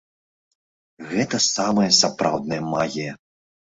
Гэта самая сапраўдная магія!